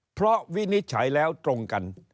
เพราะวินิจฉัยแล้วตรงกัน